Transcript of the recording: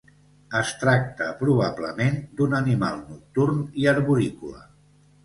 Es tracta probablement d'un animal nocturn i arborícola.